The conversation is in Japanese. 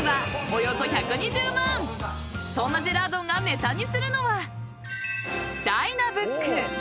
［そんなジェラードンがネタにするのはｄｙｎａｂｏｏｋ］